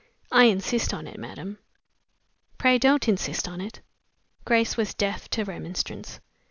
"I insist on it, madam." "Pray don't insist on it." Grace was deaf to remonstrance.